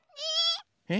え？